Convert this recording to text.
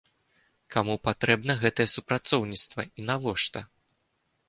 Каму патрэбна гэтае супрацоўніцтва і навошта?